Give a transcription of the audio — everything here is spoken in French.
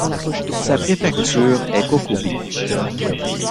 Sa préfecture est Cocobeach.